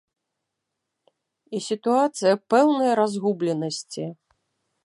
І сітуацыя пэўнай разгубленасці.